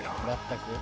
全く？